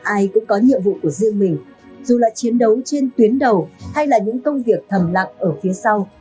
ai cũng có nhiệm vụ của riêng mình dù là chiến đấu trên tuyến đầu hay là những công việc thầm lặng ở phía sau